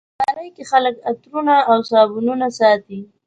الماري کې خلک عطرونه او صابونونه ساتي